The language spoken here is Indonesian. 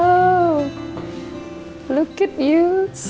aku mau ke rumah